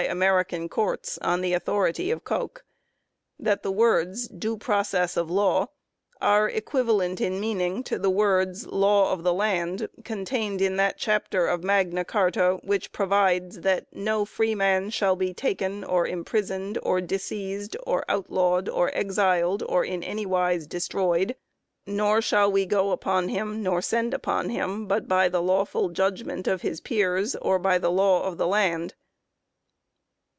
ON AMERICAN DEVELOPMENT 221 courts on the authority of Coke, that the words ' due process of law ' are equivalent in meaning to the words * law of the land,' contained in that chapter of Magna Carta which provides that * no freeman shall be taken, or imprisoned, or disseized, or outlawed, or exiled, or any wise destroyed ; nor shall we go upon him, nor send upon him, but by the lawful judgment of his peers, or by the law of the land